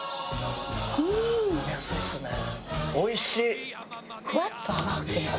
おいしい！